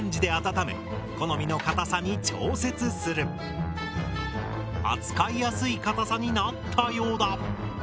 使う時に扱いやすい硬さになったようだ。